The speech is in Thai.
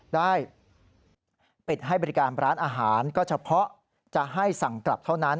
ได้ปิดให้บริการร้านอาหารก็เฉพาะจะให้สั่งกลับเท่านั้น